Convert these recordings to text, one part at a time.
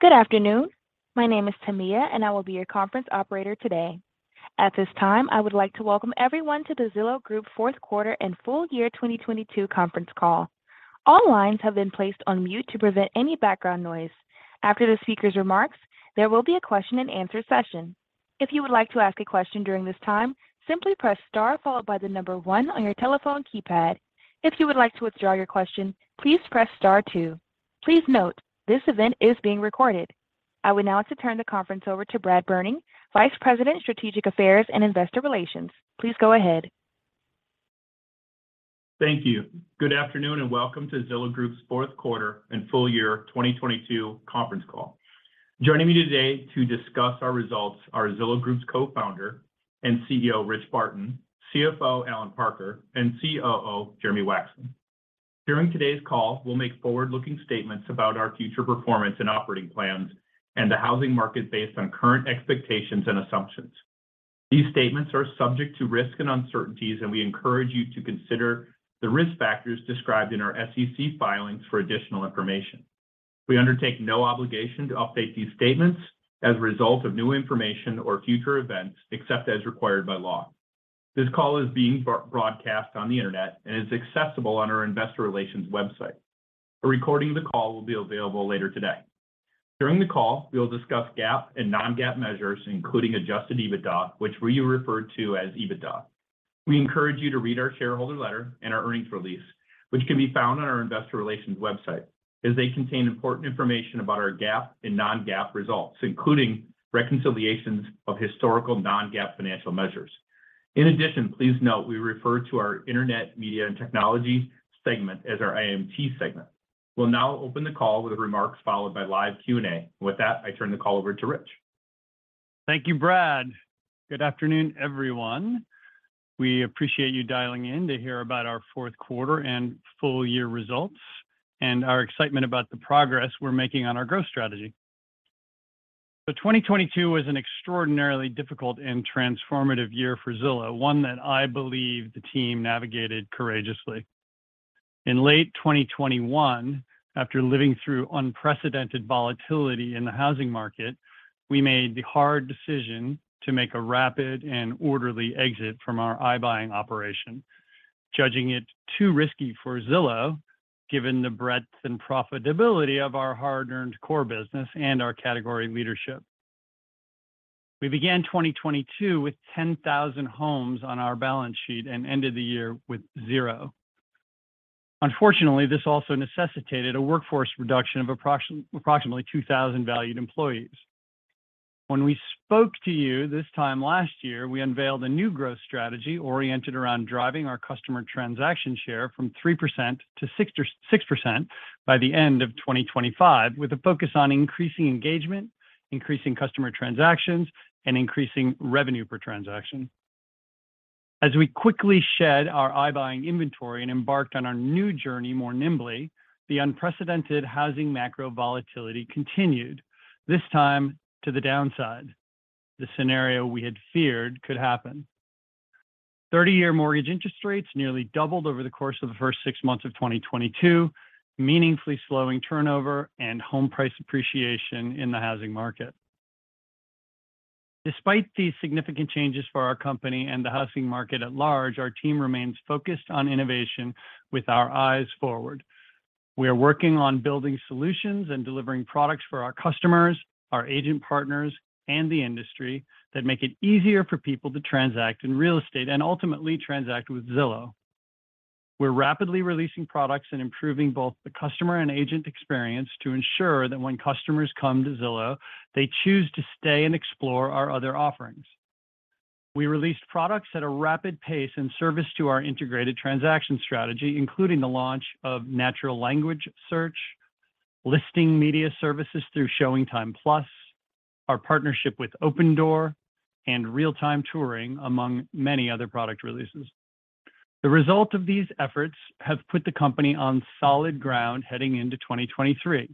Good afternoon. My name is Tania, and I will be your conference operator today. At this time, I would like to welcome everyone to the Zillow Group fourth quarter and full year 2022 conference call. All lines have been placed on mute to prevent any background noise. After the speaker's remarks, there will be a question-and-answer session. If you would like to ask a question during this time, simply press star 1 on your telephone keypad. If you would like to withdraw your question, please press star 2. Please note, this event is being recorded. I would now like to turn the conference over to Brad Berning, Vice President, Strategic Affairs and Investor Relations. Please go ahead. Thank you. Good afternoon, and welcome to Zillow Group's fourth quarter and full year 2022 conference call. Joining me today to discuss our results are Zillow Group's co-founder and CEO, Rich Barton, CFO, Allen Parker, and COO, Jeremy Wacksman. During today's call, we'll make forward-looking statements about our future performance and operating plans and the housing market based on current expectations and assumptions. These statements are subject to risks and uncertainties. We encourage you to consider the risk factors described in our SEC filings for additional information. We undertake no obligation to update these statements as a result of new information or future events, except as required by law. This call is being broadcast on the Internet and is accessible on our investor relations website. A recording of the call will be available later today. During the call, we will discuss GAAP and non-GAAP measures, including Adjusted EBITDA, which we refer to as EBITDA. We encourage you to read our shareholder letter and our earnings release, which can be found on our investor relations website, as they contain important information about our GAAP and non-GAAP results, including reconciliations of historical non-GAAP financial measures. In addition, please note we refer to our Internet, Media & Technology segment as our IMT segment. We'll now open the call with remarks followed by live Q&A. With that, I turn the call over to Rich. Thank you, Brad. Good afternoon, everyone. We appreciate you dialing in to hear about our fourth quarter and full year results and our excitement about the progress we're making on our growth strategy. 2022 was an extraordinarily difficult and transformative year for Zillow, one that I believe the team navigated courageously. In late 2021, after living through unprecedented volatility in the housing market, we made the hard decision to make a rapid and orderly exit from our iBuying operation, judging it too risky for Zillow, given the breadth and profitability of our hard-earned core business and our category leadership. We began 2022 with 10,000 homes on our balance sheet and ended the year with zero. Unfortunately, this also necessitated a workforce reduction of approximately 2,000 valued employees. When we spoke to you this time last year, we unveiled a new growth strategy oriented around driving our customer transaction share from 3%-6% by the end of 2025, with a focus on increasing engagement, increasing customer transactions, and increasing revenue per transaction. As we quickly shed our iBuying inventory and embarked on our new journey more nimbly, the unprecedented housing macro volatility continued, this time to the downside. The scenario we had feared could happen. 30-year mortgage interest rates nearly doubled over the course of the first six months of 2022, meaningfully slowing turnover and home price appreciation in the housing market. Despite these significant changes for our company and the housing market at large, our team remains focused on innovation with our eyes forward. We are working on building solutions and delivering products for our customers, our agent partners, and the industry that make it easier for people to transact in real estate and ultimately transact with Zillow. We're rapidly releasing products and improving both the customer and agent experience to ensure that when customers come to Zillow, they choose to stay and explore our other offerings. We released products at a rapid pace in service to our integrated transaction strategy, including the launch of natural language search, Listing Media Services through ShowingTime+, our partnership with Opendoor, and Real-Time Touring, among many other product releases. The result of these efforts have put the company on solid ground heading into 2023.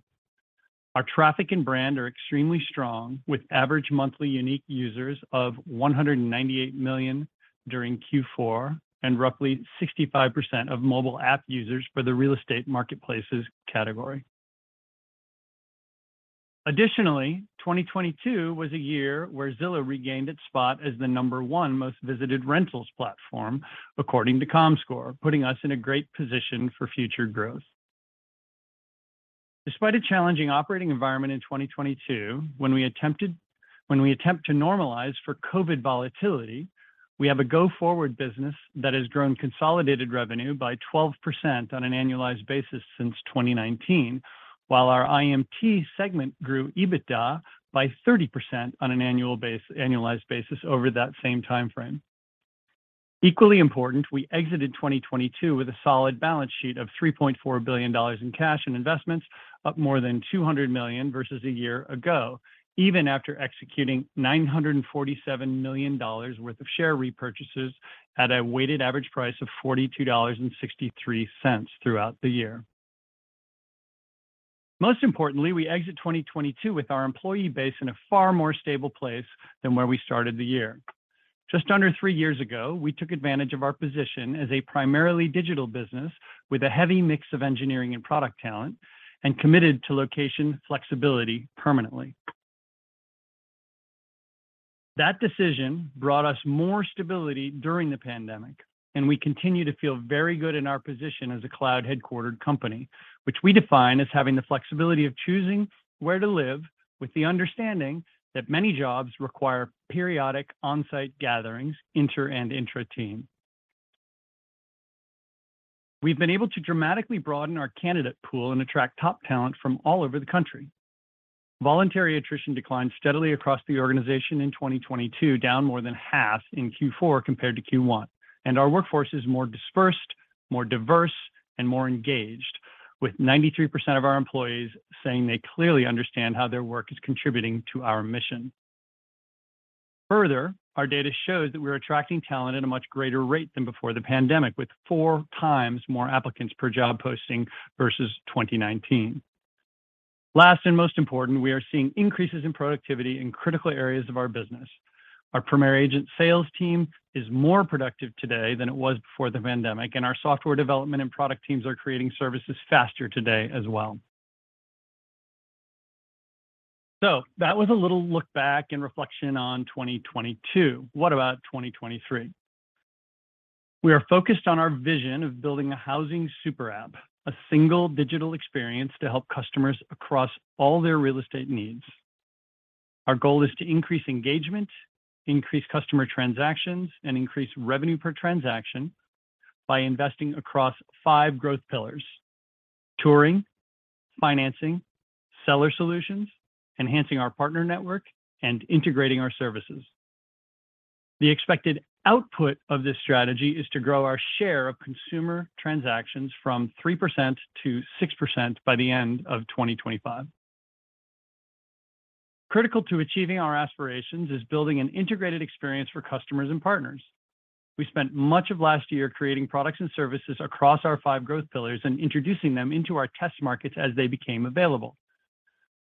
Our traffic and brand are extremely strong, with average monthly unique users of 198 million during Q4 and roughly 65% of mobile app users for the real estate marketplaces category. Additionally, 2022 was a year where Zillow regained its spot as the number one most visited rentals platform, according to Comscore, putting us in a great position for future growth. Despite a challenging operating environment in 2022, when we attempt to normalize for COVID volatility, we have a go-forward business that has grown consolidated revenue by 12% on an annualized basis since 2019, while our IMT segment grew EBITDA by 30% on an annualized basis over that same timeframe. Equally important, we exited 2022 with a solid balance sheet of $3.4 billion in cash and investments, up more than $200 million versus a year ago, even after executing $947 million worth of share repurchases at a weighted average price of $42.63 throughout the year. Most importantly, we exit 2022 with our employee base in a far more stable place than where we started the year. Just under three years ago, we took advantage of our position as a primarily digital business with a heavy mix of engineering and product talent and committed to location flexibility permanently. That decision brought us more stability during the pandemic. We continue to feel very good in our position as a cloud-headquartered company, which we define as having the flexibility of choosing where to live with the understanding that many jobs require periodic on-site gatherings, inter and intra-team. We've been able to dramatically broaden our candidate pool and attract top talent from all over the country. Voluntary attrition declined steadily across the organization in 2022, down more than half in Q4 compared to Q1, and our workforce is more dispersed, more diverse, and more engaged, with 93% of our employees saying they clearly understand how their work is contributing to our mission. Further, our data shows that we're attracting talent at a much greater rate than before the pandemic, with four times more applicants per job posting versus 2019. Last, most important, we are seeing increases in productivity in critical areas of our business. Our Premier Agent sales team is more productive today than it was before the pandemic, and our software development and product teams are creating services faster today as well. That was a little look back and reflection on 2022. What about 2023? We are focused on our vision of building a housing super app, a single digital experience to help customers across all their real estate needs. Our goal is to increase engagement, increase customer transactions, and increase revenue per transaction by investing across five growth pillars: touring, financing, seller solutions, enhancing our partner network, and integrating our services. The expected output of this strategy is to grow our share of consumer transactions from 3%-6% by the end of 2025. Critical to achieving our aspirations is building an integrated experience for customers and partners. We spent much of last year creating products and services across our five growth pillars and introducing them into our test markets as they became available.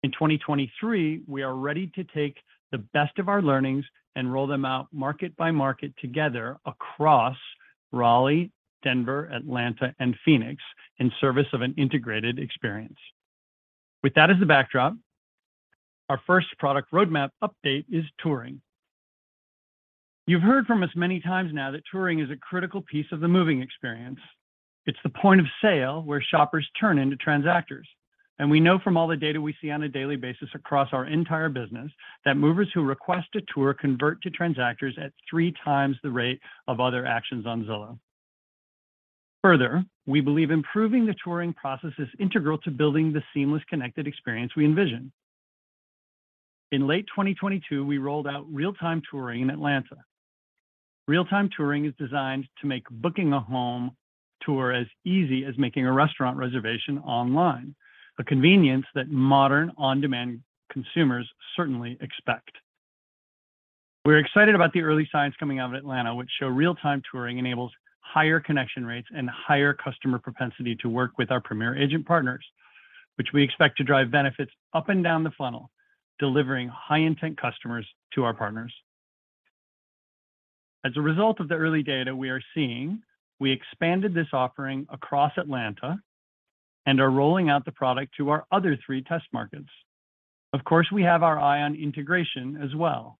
In 2023, we are ready to take the best of our learnings and roll them out market by market together across Raleigh, Denver, Atlanta, and Phoenix in service of an integrated experience. With that as the backdrop, our first product roadmap update is touring. You've heard from us many times now that touring is a critical piece of the moving experience. It's the point of sale where shoppers turn into transactors. We know from all the data we see on a daily basis across our entire business that movers who request a tour convert to transactors at three times the rate of other actions on Zillow. We believe improving the touring process is integral to building the seamless connected experience we envision. In late 2022, we rolled out Real-Time Touring in Atlanta. Real-Time Touring is designed to make booking a home tour as easy as making a restaurant reservation online, a convenience that modern on-demand consumers certainly expect. We're excited about the early signs coming out of Atlanta, which show Real-Time Touring enables higher connection rates and higher customer propensity to work with our Premier Agent partners, which we expect to drive benefits up and down the funnel, delivering high-intent customers to our partners. As a result of the early data we are seeing, we expanded this offering across Atlanta and are rolling out the product to our other three test markets. Of course, we have our eye on integration as well.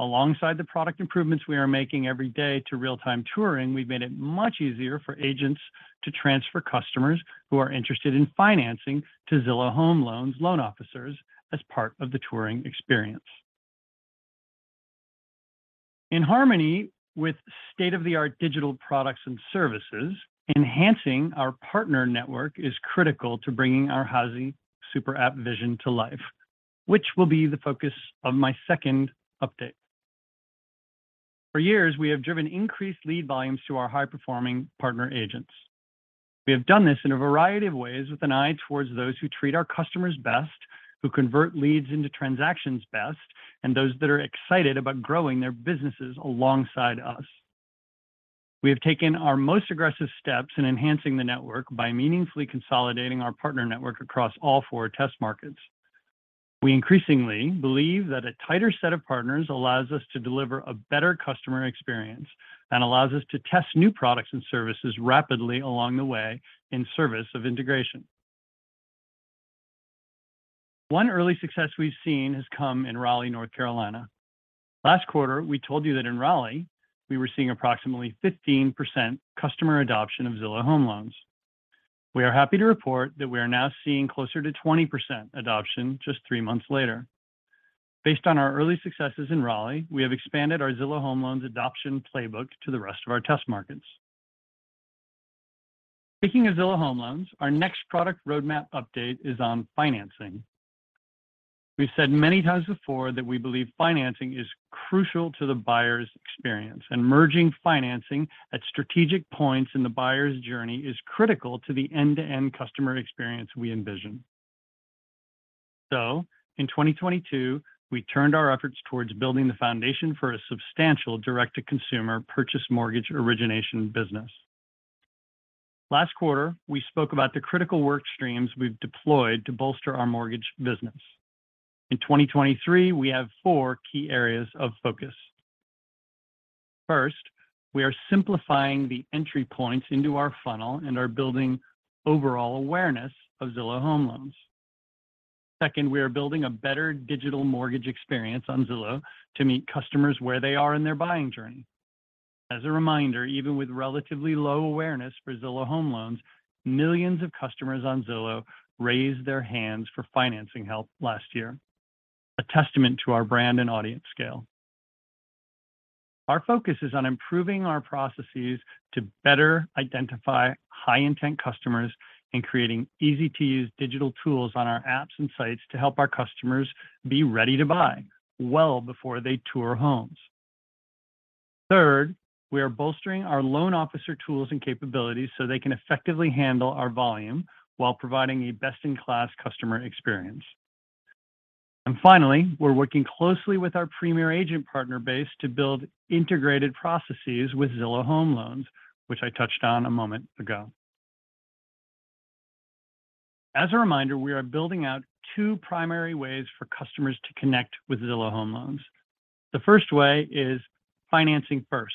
Alongside the product improvements we are making every day to Real-Time Touring, we've made it much easier for agents to transfer customers who are interested in financing to Zillow Home Loans loan officers as part of the touring experience. In harmony with state-of-the-art digital products and services, enhancing our partner network is critical to bringing our housing super app vision to life, which will be the focus of my second update. For years, we have driven increased lead volumes to our high-performing partner agents. We have done this in a variety of ways with an eye towards those who treat our customers best, who convert leads into transactions best, and those that are excited about growing their businesses alongside us. We have taken our most aggressive steps in enhancing the network by meaningfully consolidating our partner network across all four test markets. We increasingly believe that a tighter set of partners allows us to deliver a better customer experience and allows us to test new products and services rapidly along the way in service of integration. One early success we've seen has come in Raleigh, North Carolina. Last quarter, we told you that in Raleigh we were seeing approximately 15% customer adoption of Zillow Home Loans. We are happy to report that we are now seeing closer to 20% adoption just three months later. Based on our early successes in Raleigh, we have expanded our Zillow Home Loans adoption playbook to the rest of our test markets. Speaking of Zillow Home Loans, our next product roadmap update is on financing. We've said many times before that we believe financing is crucial to the buyer's experience, and merging financing at strategic points in the buyer's journey is critical to the end-to-end customer experience we envision. In 2022, we turned our efforts towards building the foundation for a substantial direct-to-consumer purchase mortgage origination business. Last quarter, we spoke about the critical work streams we've deployed to bolster our mortgage business. In 2023, we have four key areas of focus. First, we are simplifying the entry points into our funnel and are building overall awareness of Zillow Home Loans. Second, we are building a better digital mortgage experience on Zillow to meet customers where they are in their buying journey. As a reminder, even with relatively low awareness for Zillow Home Loans, millions of customers on Zillow raised their hands for financing help last year, a testament to our brand and audience scale. Our focus is on improving our processes to better identify high-intent customers and creating easy-to-use digital tools on our apps and sites to help our customers be ready to buy well before they tour homes. Third, we are bolstering our loan officer tools and capabilities so they can effectively handle our volume while providing a best-in-class customer experience. Finally, we're working closely with our Premier Agent partner base to build integrated processes with Zillow Home Loans, which I touched on a moment ago. As a reminder, we are building out two primary ways for customers to connect with Zillow Home Loans. The first way is financing first.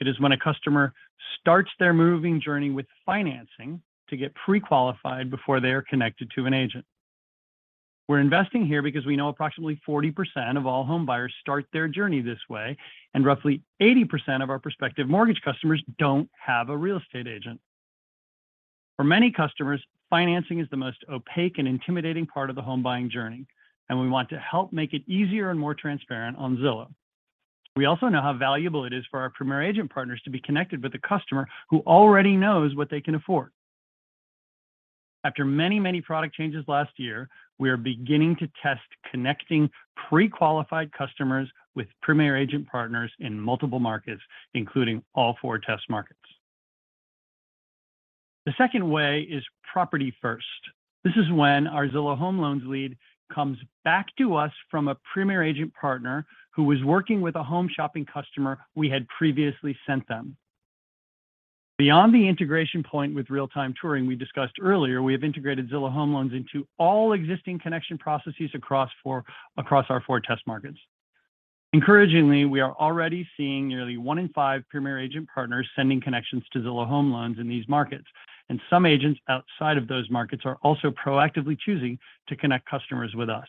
It is when a customer starts their moving journey with financing to get pre-qualified before they are connected to an agent. We're investing here because we know approximately 40% of all home buyers start their journey this way, roughly 80% of our prospective mortgage customers don't have a real estate agent. For many customers, financing is the most opaque and intimidating part of the home buying journey, we want to help make it easier and more transparent on Zillow. We also know how valuable it is for our Premier Agent partners to be connected with a customer who already knows what they can afford. After many product changes last year, we are beginning to test connecting pre-qualified customers with Premier Agent partners in multiple markets, including all four test markets. The second way is property first. This is when our Zillow Home Loans lead comes back to us from a Premier Agent partner who was working with a home shopping customer we had previously sent them. Beyond the integration point with Real-Time Touring we discussed earlier, we have integrated Zillow Home Loans into all existing connection processes across our four test markets. Encouragingly, we are already seeing nearly one in five Premier Agent partners sending connections to Zillow Home Loans in these markets, and some agents outside of those markets are also proactively choosing to connect customers with us.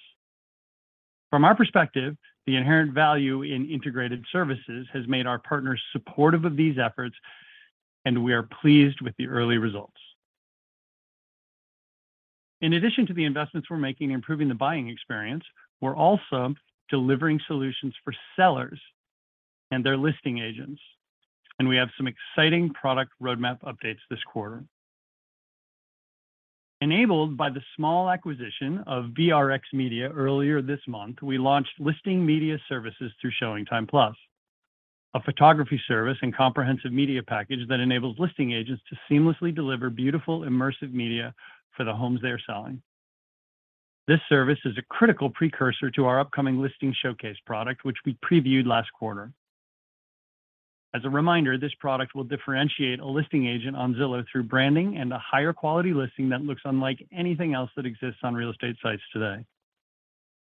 From our perspective, the inherent value in integrated services has made our partners supportive of these efforts, and we are pleased with the early results. In addition to the investments we're making improving the buying experience, we're also delivering solutions for sellers and their listing agents. We have some exciting product roadmap updates this quarter. Enabled by the small acquisition of VRX Media earlier this month, we launched Listing Media Services through ShowingTime+, a photography service and comprehensive media package that enables listing agents to seamlessly deliver beautiful, immersive media for the homes they are selling. This service is a critical precursor to our upcoming Listing Showcase product, which we previewed last quarter. As a reminder, this product will differentiate a listing agent on Zillow through branding and a higher quality listing that looks unlike anything else that exists on real estate sites today.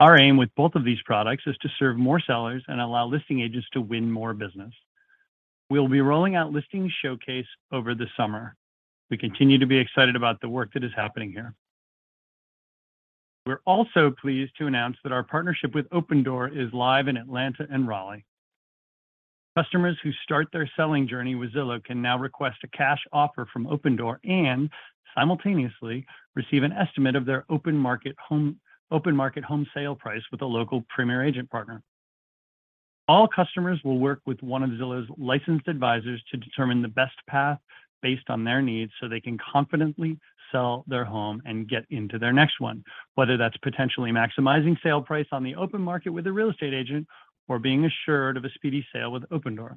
Our aim with both of these products is to serve more sellers and allow listing agents to win more business. We'll be rolling out Listing Showcase over the summer. We continue to be excited about the work that is happening here. We're also pleased to announce that our partnership with Opendoor is live in Atlanta and Raleigh. Customers who start their selling journey with Zillow can now request a cash offer from Opendoor and simultaneously receive an estimate of their open market home sale price with a local Premier Agent partner. All customers will work with one of Zillow's licensed advisors to determine the best path based on their needs, so they can confidently sell their home and get into their next one, whether that's potentially maximizing sale price on the open market with a real estate agent or being assured of a speedy sale with Opendoor.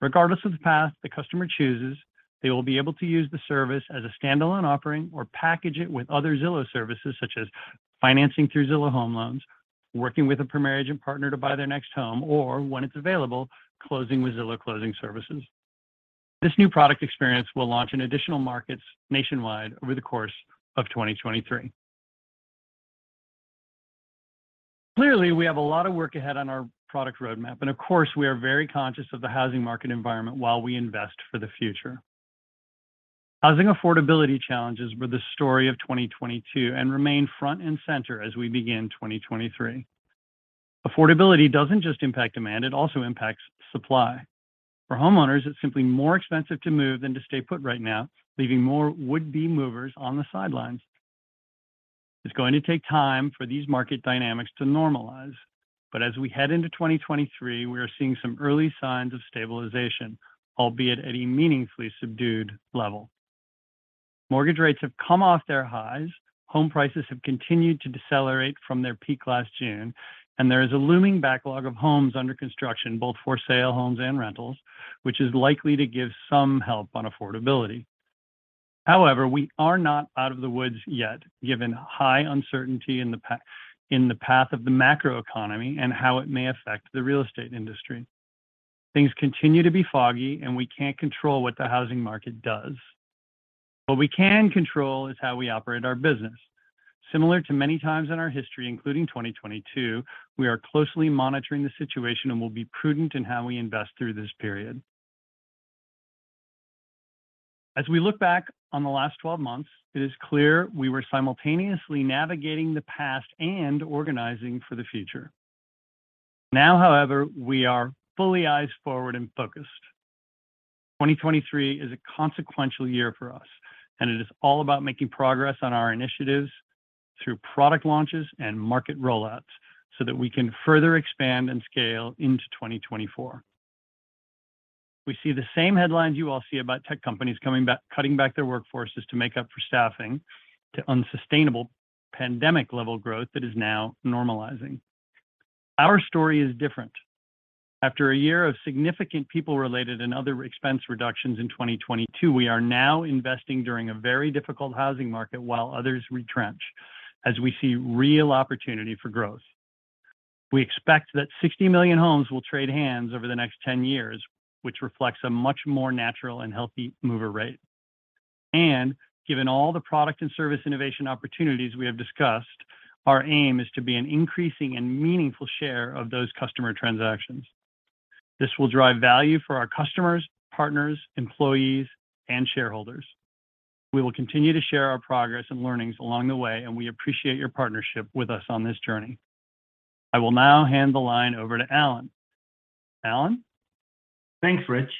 Regardless of the path the customer chooses, they will be able to use the service as a standalone offering or package it with other Zillow services such as financing through Zillow Home Loans, working with a Premier Agent partner to buy their next home, or, when it's available, closing with Zillow Closing Services. This new product experience will launch in additional markets nationwide over the course of 2023. Clearly, we have a lot of work ahead on our product roadmap, and of course, we are very conscious of the housing market environment while we invest for the future. Housing affordability challenges were the story of 2022 and remain front and center as we begin 2023. Affordability doesn't just impact demand, it also impacts supply. For homeowners, it's simply more expensive to move than to stay put right now, leaving more would-be movers on the sidelines. It's going to take time for these market dynamics to normalize. As we head into 2023, we are seeing some early signs of stabilization, albeit at a meaningfully subdued level. Mortgage rates have come off their highs. Home prices have continued to decelerate from their peak last June, and there is a looming backlog of homes under construction, both for sale homes and rentals, which is likely to give some help on affordability. However, we are not out of the woods yet, given high uncertainty in the path of the macroeconomy and how it may affect the real estate industry. Things continue to be foggy, and we can't control what the housing market does. What we can control is how we operate our business. Similar to many times in our history, including 2022, we are closely monitoring the situation and will be prudent in how we invest through this period. As we look back on the last 12 months, it is clear we were simultaneously navigating the past and organizing for the future. Now, however, we are fully eyes forward and focused. 2023 is a consequential year for us, and it is all about making progress on our initiatives through product launches and market rollouts so that we can further expand and scale into 2024. We see the same headlines you all see about tech companies cutting back their workforces to make up for staffing to unsustainable pandemic-level growth that is now normalizing. Our story is different. After a year of significant people-related and other expense reductions in 2022, we are now investing during a very difficult housing market while others retrench as we see real opportunity for growth. We expect that 60 million homes will trade hands over the next 10 years, which reflects a much more natural and healthy mover rate. Given all the product and service innovation opportunities we have discussed, our aim is to be an increasing and meaningful share of those customer transactions. This will drive value for our customers, partners, employees, and shareholders. We will continue to share our progress and learnings along the way. We appreciate your partnership with us on this journey. I will now hand the line over to Allen. Allen? Thanks, Rich.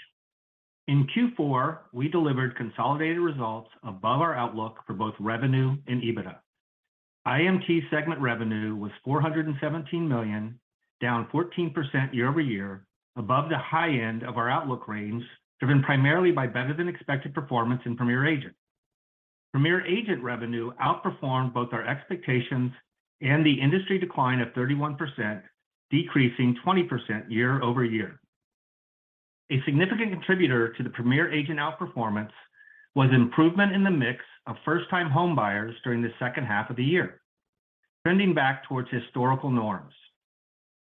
In Q4, we delivered consolidated results above our outlook for both revenue and EBITDA. IMT segment revenue was $417 million, down 14% year-over-year, above the high end of our outlook range, driven primarily by better than expected performance in Premier Agent. Premier Agent revenue outperformed both our expectations and the industry decline of 31%, decreasing 20% year-over-year. A significant contributor to the Premier Agent outperformance was improvement in the mix of first-time homebuyers during the second half of the year, trending back towards historical norms.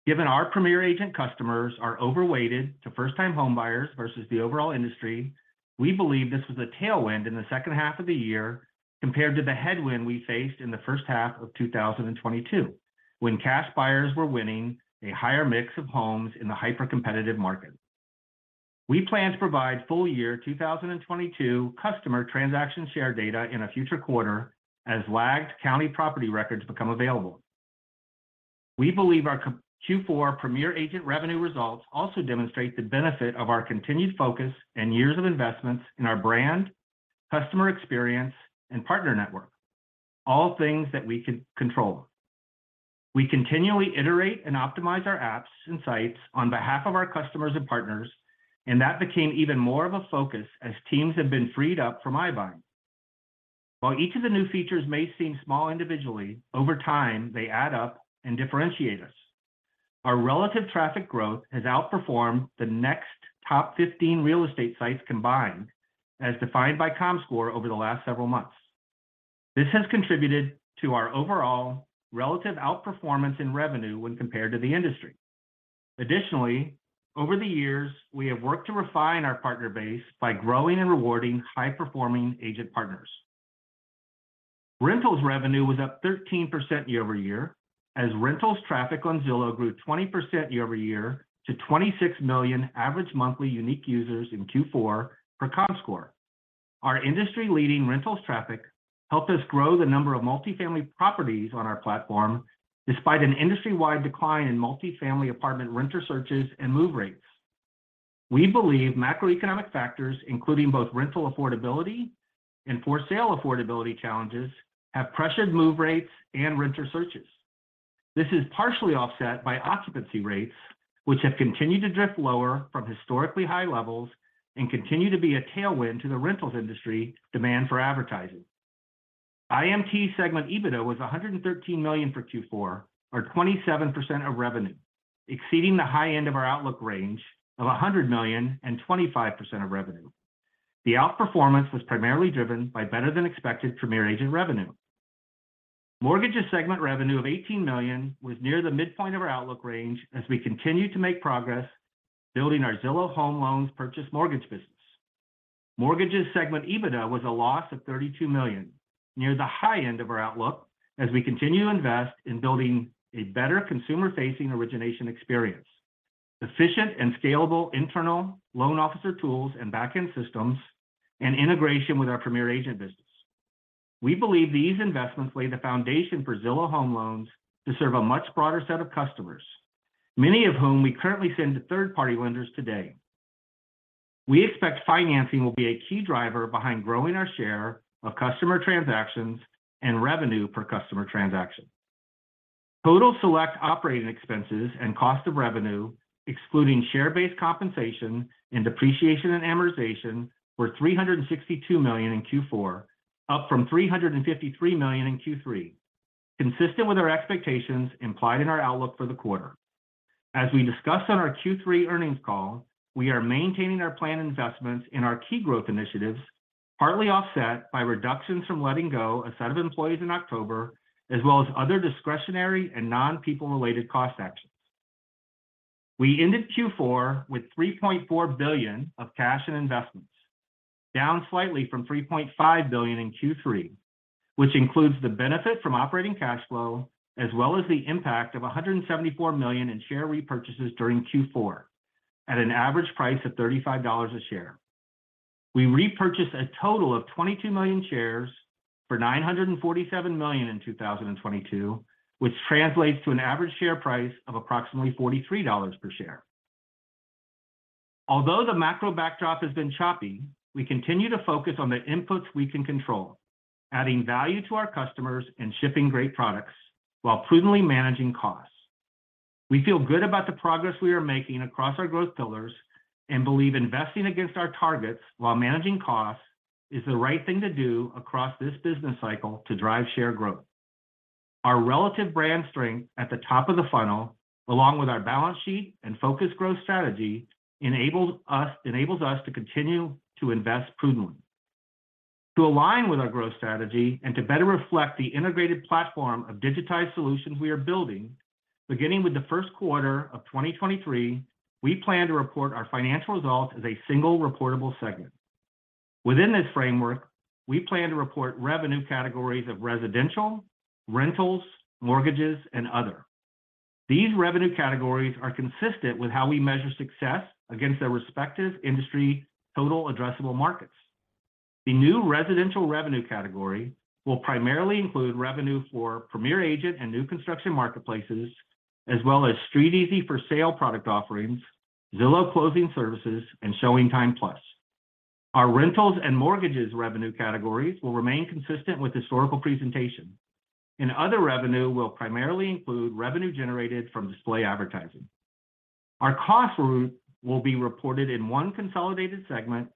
Given our Premier Agent customers are overweighted to first-time homebuyers versus the overall industry, we believe this was a tailwind in the second half of the year compared to the headwind we faced in the first half of 2022, when cash buyers were winning a higher mix of homes in the hyper-competitive market. We plan to provide full year 2022 customer transaction share data in a future quarter as lagged county property records become available. We believe our Q4 Premier Agent revenue results also demonstrate the benefit of our continued focus and years of investments in our brand, customer experience, and partner network, all things that we can control. We continually iterate and optimize our apps and sites on behalf of our customers and partners, and that became even more of a focus as teams have been freed up from iBuying. While each of the new features may seem small individually, over time, they add up and differentiate us. Our relative traffic growth has outperformed the next top 15 real estate sites combined, as defined by Comscore over the last several months. This has contributed to our overall relative outperformance in revenue when compared to the industry. Additionally, over the years, we have worked to refine our partner base by growing and rewarding high-performing agent partners. Rentals revenue was up 13% year-over-year as rentals traffic on Zillow grew 20% year-over-year to 26 million average monthly unique users in Q4 for Comscore. Our industry-leading rentals traffic helped us grow the number of multifamily properties on our platform despite an industry-wide decline in multifamily apartment renter searches and move rates. We believe macroeconomic factors, including both rental affordability and for sale affordability challenges, have pressured move rates and renter searches. This is partially offset by occupancy rates, which have continued to drift lower from historically high levels and continue to be a tailwind to the rentals industry demand for advertising. IMT segment EBITDA was $113 million for Q4, or 27% of revenue, exceeding the high end of our outlook range of $100 million and 25% of revenue. The outperformance was primarily driven by better than expected Premier Agent revenue. Mortgages segment revenue of $18 million was near the midpoint of our outlook range as we continue to make progress building our Zillow Home Loans purchase mortgage business. Mortgages segment EBITDA was a loss of $32 million, near the high end of our outlook as we continue to invest in building a better consumer-facing origination experience, efficient and scalable internal loan officer tools and back-end systems, and integration with our Premier Agent business. We believe these investments lay the foundation for Zillow Home Loans to serve a much broader set of customers, many of whom we currently send to third-party lenders today. We expect financing will be a key driver behind growing our share of customer transactions and revenue per customer transaction. Total select operating expenses and cost of revenue, excluding share-based compensation and depreciation and amortization, were $362 million in Q4, up from $353 million in Q3, consistent with our expectations implied in our outlook for the quarter. As we discussed on our Q3 earnings call, we are maintaining our planned investments in our key growth initiatives, partly offset by reductions from letting go a set of employees in October, as well as other discretionary and non-people-related cost actions. We ended Q4 with $3.4 billion of cash and investments, down slightly from $3.5 billion in Q3, which includes the benefit from operating cash flow, as well as the impact of $174 million in share repurchases during Q4 at an average price of $35 a share. We repurchased a total of 22 million shares for $947 million in 2022, which translates to an average share price of approximately $43 per share. Although the macro backdrop has been choppy, we continue to focus on the inputs we can control, adding value to our customers and shipping great products while prudently managing costs. We feel good about the progress we are making across our growth pillars and believe investing against our targets while managing costs is the right thing to do across this business cycle to drive share growth. Our relative brand strength at the top of the funnel, along with our balance sheet and focused growth strategy, enables us to continue to invest prudently. To align with our growth strategy and to better reflect the integrated platform of digitized solutions we are building, beginning with the first quarter of 2023, we plan to report our financial results as a single reportable segment. Within this framework, we plan to report revenue categories of residential, rentals, mortgages, and other. These revenue categories are consistent with how we measure success against their respective industry total addressable markets. The new residential revenue category will primarily include revenue for Premier Agent and new construction marketplaces, as well as StreetEasy for sale product offerings, Zillow Closing Services, and ShowingTime+. Our rentals and mortgages revenue categories will remain consistent with historical presentation, and other revenue will primarily include revenue generated from display advertising. Our costs route will be reported in one consolidated segment,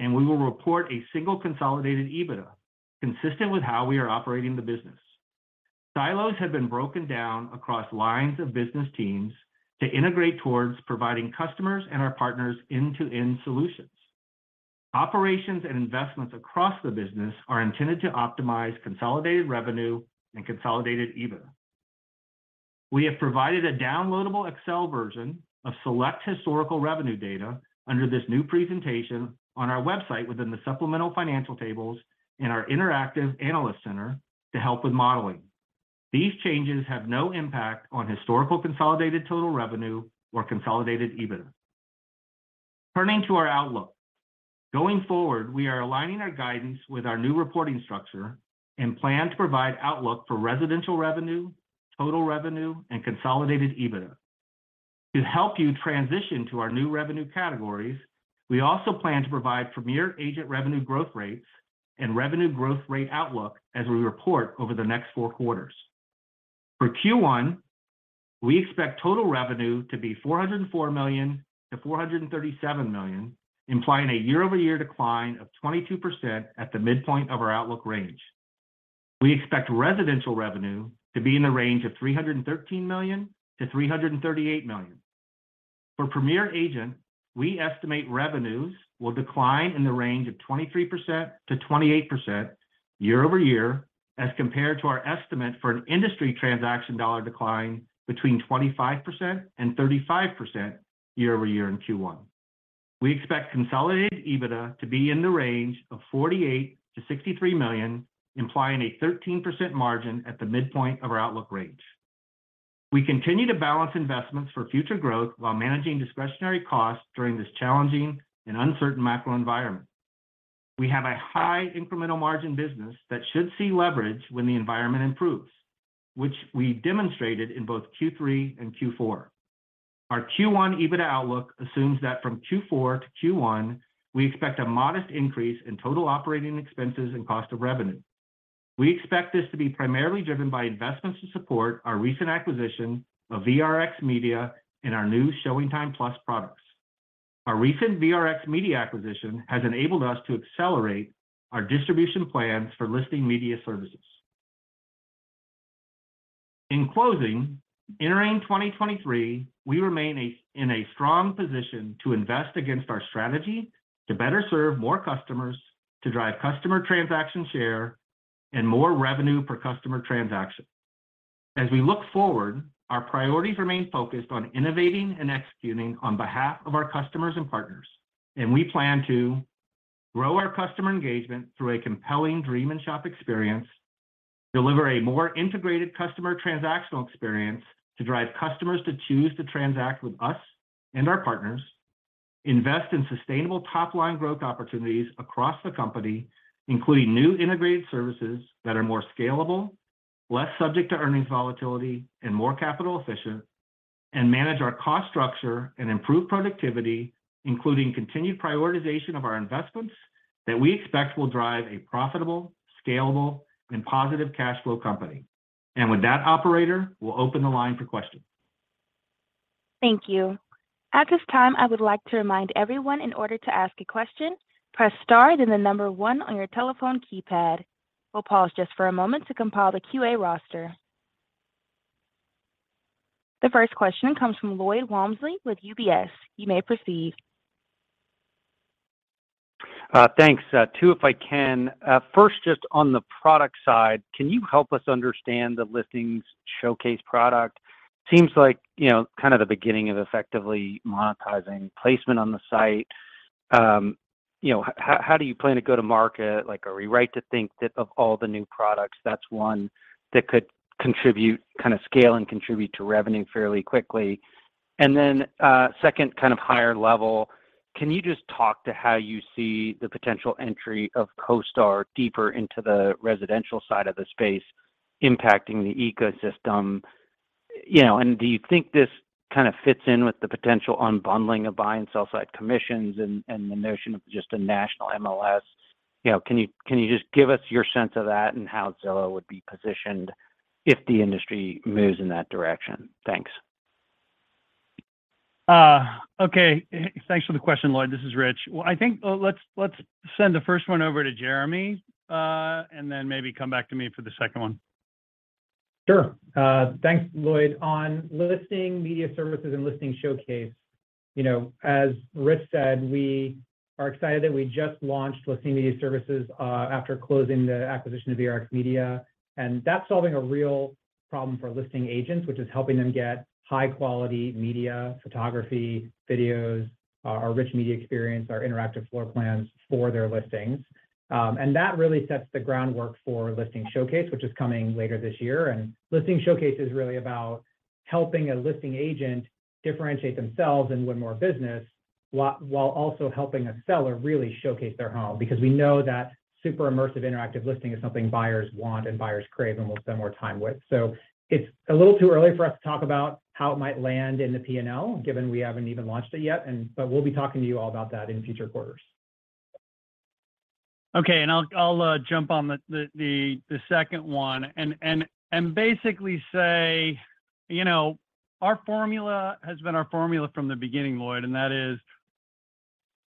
and we will report a single consolidated EBITDA consistent with how we are operating the business. Silos have been broken down across lines of business teams to integrate towards providing customers and our partners end-to-end solutions. Operations and investments across the business are intended to optimize consolidated revenue and consolidated EBITDA. We have provided a downloadable Excel version of select historical revenue data under this new presentation on our website within the supplemental financial tables in our Interactive Analysis Center to help with modeling. These changes have no impact on historical consolidated total revenue or consolidated EBITDA. Turning to our outlook. Going forward, we are aligning our guidance with our new reporting structure and plan to provide outlook for residential revenue, total revenue, and consolidated EBITDA. To help you transition to our new revenue categories, we also plan to provide Premier Agent revenue growth rates and revenue growth rate outlook as we report over the next 4 quarters. For Q1, we expect total revenue to be $404 million-$437 million, implying a year-over-year decline of 22% at the midpoint of our outlook range. We expect residential revenue to be in the range of $313 million $-338 million. For Premier Agent, we estimate revenues will decline in the range of 23%-28% year-over-year as compared to our estimate for an industry transaction dollar decline between 25% and 35% year-over-year in Q1. We expect consolidated EBITDA to be in the range of $48 million-$63 million, implying a 13% margin at the midpoint of our outlook range. We continue to balance investments for future growth while managing discretionary costs during this challenging and uncertain macro environment. We have a high incremental margin business that should see leverage when the environment improves, which we demonstrated in both Q3 and Q4. Our Q1 EBITDA outlook assumes that from Q4-Q1, we expect a modest increase in total operating expenses and cost of revenue. We expect this to be primarily driven by investments to support our recent acquisition of VRX Media and our new ShowingTime+ products. Our recent VRX Media acquisition has enabled us to accelerate our distribution plans for Listing Media Services. In closing, entering 2023, we remain in a strong position to invest against our strategy to better serve more customers, to drive customer transaction share, and more revenue per customer transaction. As we look forward, our priorities remain focused on innovating and executing on behalf of our customers and partners, we plan to grow our customer engagement through a compelling dream and shop experience, deliver a more integrated customer transactional experience to drive customers to choose to transact with us and our partners, invest in sustainable top-line growth opportunities across the company, including new integrated services that are more scalable, less subject to earnings volatility, and more capital efficient, manage our cost structure and improve productivity, including continued prioritization of our investments that we expect will drive a profitable, scalable, and positive cash flow company. With that, operator, we'll open the line for questions. Thank you. At this time, I would like to remind everyone in order to ask a question, press star, then the number one on your telephone keypad. We'll pause just for a moment to compile the QA roster. The first question comes from Lloyd Walmsley with UBS. You may proceed. Thanks. Two, if I can. First, just on the product side, can you help us understand the Listing Showcase product? Seems like, you know, kind of the beginning of effectively monetizing placement on the site. You know, how do you plan to go to market? Like, are we right to think that of all the new products, that's one that could contribute, kind of scale and contribute to revenue fairly quickly? Then, second kind of higher level, can you just talk to how you see the potential entry of CoStar deeper into the residential side of the space impacting the ecosystem? You know, do you think this kind of fits in with the potential unbundling of buy and sell-side commissions and the notion of just a national MLS? You know, can you just give us your sense of that and how Zillow would be positioned if the industry moves in that direction? Thanks. Okay. Thanks for the question, Lloyd. This is Rich. I think, let's send the first one over to Jeremy, and then maybe come back to me for the second one. Sure. Thanks, Lloyd. On Listing Media Services and Listing Showcase, you know, as Rich said, we are excited that we just launched Listing Media Services after closing the acquisition of VRX Media, and that's solving a real problem for listing agents, which is helping them get high-quality media, photography, videos, our Rich Media Experience, our interactive floor plans for their listings. That really sets the groundwork for Listing Showcase, which is coming later this year. Listing Showcase is really about helping a listing agent differentiate themselves and win more business while also helping a seller really showcase their home, because we know that super immersive interactive listing is something buyers want and buyers crave and will spend more time with. It's a little too early for us to talk about how it might land in the P&L, given we haven't even launched it yet but we'll be talking to you all about that in future quarters. Okay. I'll jump on the second one and basically say, you know, our formula has been our formula from the beginning, Lloyd, and that is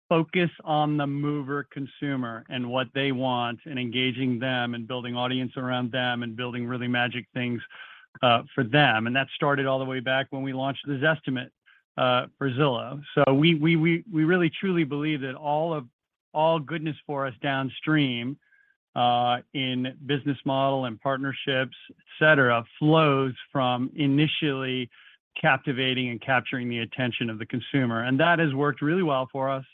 focus on the mover consumer and what they want and engaging them and building audience around them and building really magic things for them. That started all the way back when we launched the Zestimate for Zillow. We really truly believe that all goodness for us downstream in business model and partnerships, et cetera, flows from initially captivating and capturing the attention of the consumer. That has worked really well for us,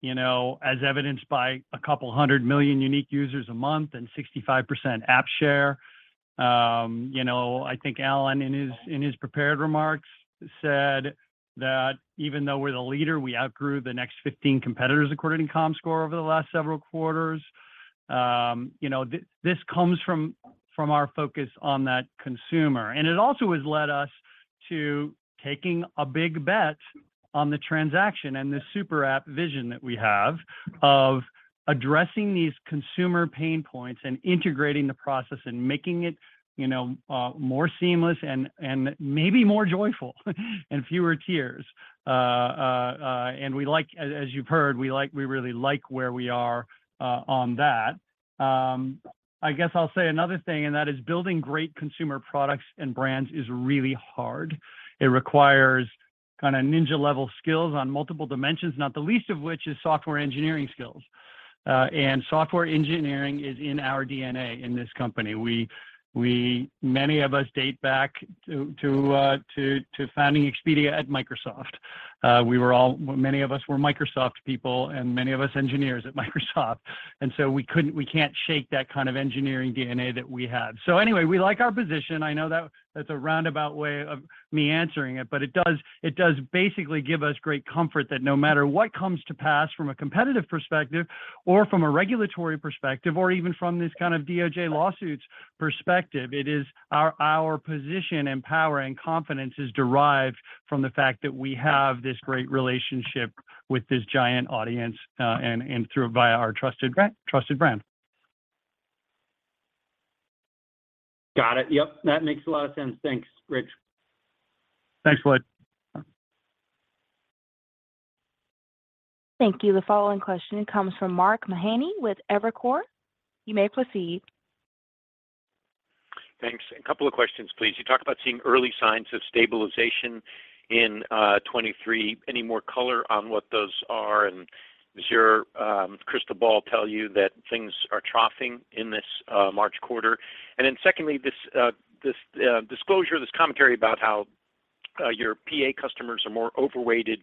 you know, as evidenced by a couple 100 million unique users a month and 65% app share. You know, I think Allen in his prepared remarks said that even though we're the leader, we outgrew the next 15 competitors according to Comscore over the last several quarters. You know, this comes from our focus on that consumer. It also has led us to taking a big bet on the transaction and the Super App vision that we have of addressing these consumer pain points and integrating the process and making it, you know, more seamless and maybe more joyful and fewer tears. As you've heard, we really like where we are on that. I guess I'll say another thing, that is building great consumer products and brands is really hard. It requires kinda ninja-level skills on multiple dimensions, not the least of which is software engineering skills. Software engineering is in our DNA in this company. We many of us date back to founding Expedia at Microsoft. We were all many of us were Microsoft people and many of us engineers at Microsoft. We can't shake that kind of engineering DNA that we have. Anyway, we like our position. I know that that's a roundabout way of me answering it, but it does basically give us great comfort that no matter what comes to pass from a competitive perspective or from a regulatory perspective or even from this kind of DOJ lawsuits perspective, it is our position and power and confidence is derived from the fact that we have this great relationship with this giant audience and through via our trusted brand. Got it. Yep. That makes a lot of sense. Thanks, Rich. Thanks, Lloyd. Thank you. The following question comes from Mark Mahaney with Evercore. You may proceed. Thanks. A couple of questions, please. You talked about seeing early signs of stabilization in 23. Any more color on what those are? Does your crystal ball tell you that things are troughing in this March quarter? Secondly, this disclosure, this commentary about how your PA customers are more overweighted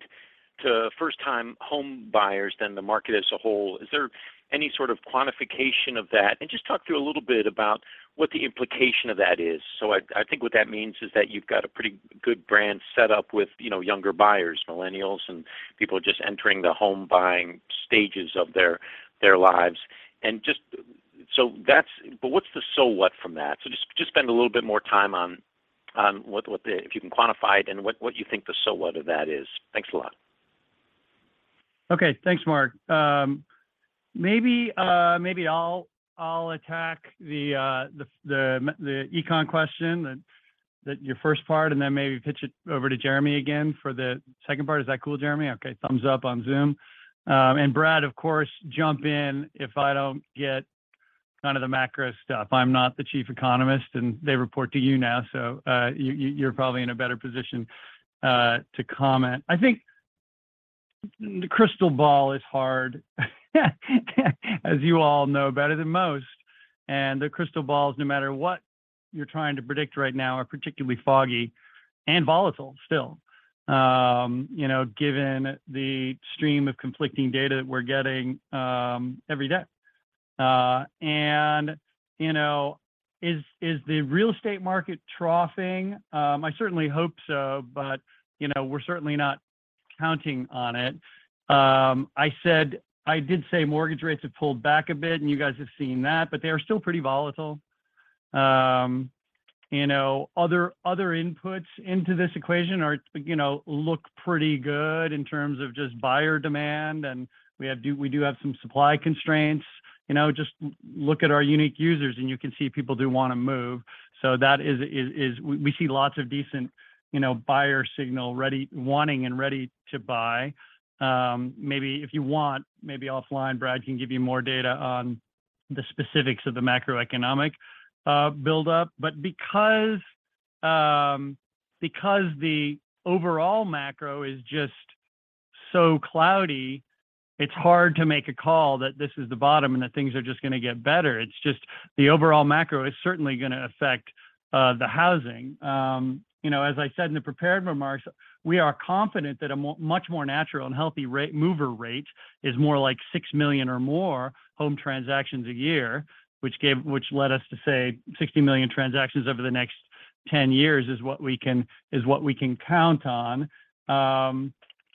to first-time home buyers than the market as a whole, is there any sort of quantification of that? Just talk to a little bit about what the implication of that is. I think what that means is that you've got a pretty good brand set up with, you know, younger buyers, millennials, and people just entering the home buying stages of their lives. What's the so what from that? Just spend a little bit more time on what if you can quantify it and what you think the so what of that is. Thanks a lot. Okay. Thanks, Mark. Maybe I'll attack the econ question that your first part, and then maybe pitch it over to Jeremy again for the second part. Is that cool, Jeremy? Okay. Thumbs up on Zoom. Brad, of course, jump in if I don't get kind of the macro stuff. I'm not the chief economist, and they report to you now. You're probably in a better position to comment. I think the crystal ball is hard as you all know better than most. The crystal balls, no matter what you're trying to predict right now, are particularly foggy and volatile still, you know, given the stream of conflicting data that we're getting every day. You know, is the real estate market troughing? I certainly hope so, but, you know, we're certainly not counting on it. I did say mortgage rates have pulled back a bit, and you guys have seen that, but they are still pretty volatile. You know, other inputs into this equation are, you know, look pretty good in terms of just buyer demand, and we do have some supply constraints. You know, just look at our unique users and you can see people do wanna move. That is we see lots of decent, you know, buyer signal ready, wanting and ready to buy. Maybe if you want, maybe offline, Brad can give you more data on the specifics of the macroeconomic buildup. Because the overall macro is just so cloudy, it's hard to make a call that this is the bottom and that things are just gonna get better. It's just the overall macro is certainly gonna affect the housing. You know, as I said in the prepared remarks, we are confident that much more natural and healthy rate, mover rate is more like 6 million or more home transactions a year, which led us to say 60 million transactions over the next 10 years is what we can count on.